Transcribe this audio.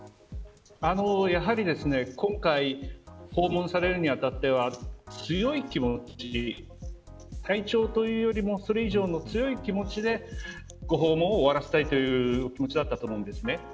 やはり今回ご訪問されるに当たっては体調というよりもそれ以上の強い気持ちでご訪問を終わらせたいというお気持ちだったと思うんですね。